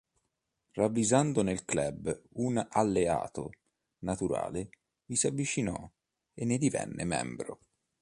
Ravvisando nel Club un alleato naturale, vi si avvicinò e ne divenne membro.